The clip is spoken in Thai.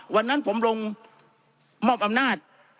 วันนั้นผมลงมอบอำนาจ